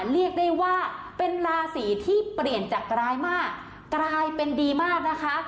เรียกได้ว่าเป็นราศีที่เปลี่ยนจากร้ายมากกลายเป็นดีมากนะคะ